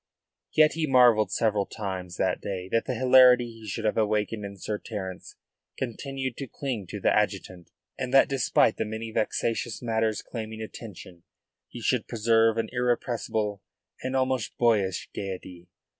Yet he marvelled several times that day that the hilarity he should have awakened in Sir Terence continued to cling to the adjutant, and that despite the many vexatious matters claiming attention he should preserve an irrepressible and almost boyish gaiety.